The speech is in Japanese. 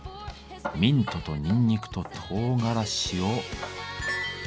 ミントとニンニクとトウガラシを。